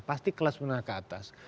pasti kelas menengah ke atas